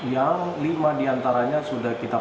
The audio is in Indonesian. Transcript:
yang lima diantaranya sudah kita